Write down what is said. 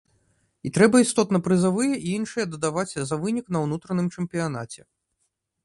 І трэба істотна прызавыя і іншае дадаваць за вынік на ўнутраным чэмпіянаце.